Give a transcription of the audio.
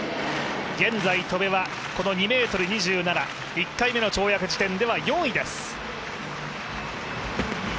現在戸邉はこの２ｍ２７１回目の跳躍時点では４位です。